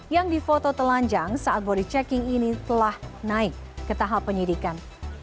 yang difoto telanjang saat body checking ini telah naik ke tahap penyidikan